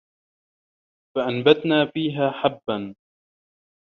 فَأَنبَتنا فيها حَبًّا